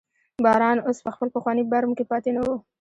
باران اوس په خپل پخواني برم کې پاتې نه و.